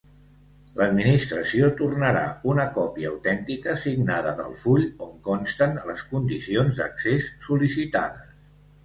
L'Administració tornarà una còpia autèntica signada del full on consten les condicions d'accés sol·licitades.